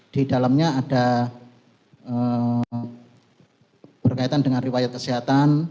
di dalamnya ada berkaitan dengan riwayat kesehatan